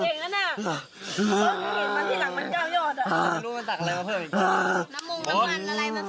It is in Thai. อ้าวอ้าวอ้าวอ้าวอ้าวอ้าวอ้าวอ้าวอ้าวอ้าวอ้าวอ้าว